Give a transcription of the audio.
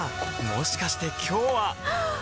もしかして今日ははっ！